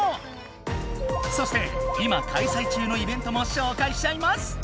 そして今開催中のイベントもしょうかいしちゃいます！